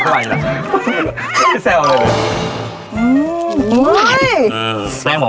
ไม่แซวเลย